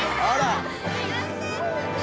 あら！